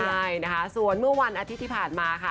ใช่นะคะส่วนเมื่อวันอาทิตย์ที่ผ่านมาค่ะ